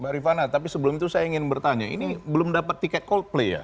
mbak rifana tapi sebelum itu saya ingin bertanya ini belum dapat tiket coldplay ya